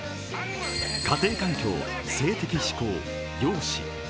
家庭環境、性的指向、容姿。